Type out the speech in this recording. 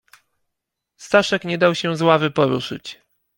"Staszek nie dał się z ławy poruszyć."